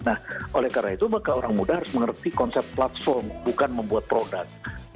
nah oleh karena itu maka orang muda harus mengerti konsep platform bukan membuat produk